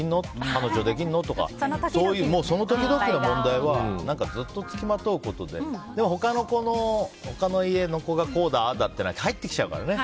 彼女できるの？とかその時々の問題はずっとつきまとうことで他の子がこうだああだは入ってきちゃうからね。